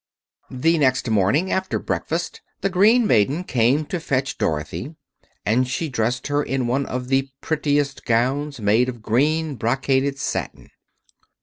The next morning, after breakfast, the green maiden came to fetch Dorothy, and she dressed her in one of the prettiest gowns, made of green brocaded satin.